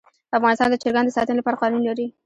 افغانستان د چرګان د ساتنې لپاره قوانین لري.